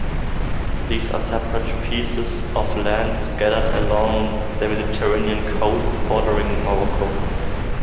These are separate pieces of land scattered along the Mediterranean coast bordering Morocco.